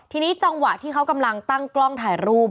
ทีนี้จังหวะที่เขากำลังตั้งกล้องถ่ายรูป